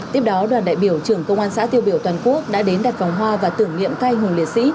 tiếp đó đoàn đại biểu trưởng công an xã tiêu biểu toàn quốc đã đến đặt vòng hoa và tưởng niệm canh hùng liệt sĩ